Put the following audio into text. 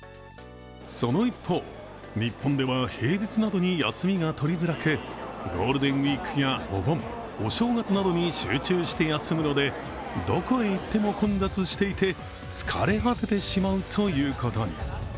その一方、日本では平日などに休みが取りづらくゴールデンウイークやお盆お正月などに集中して休むのでどこへ行っても混雑していて、疲れ果ててしまうということに。